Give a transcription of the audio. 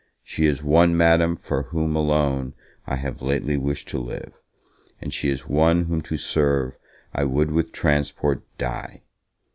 She is one, Madam, for whom alone I have lately wished to live; and she is one whom to serve I would with transport die!